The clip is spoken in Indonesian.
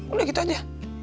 udah gitu aja